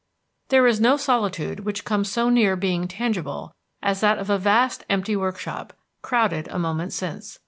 XVI There is no solitude which comes so near being tangible as that of a vast empty workshop, crowded a moment since.